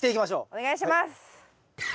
お願いします！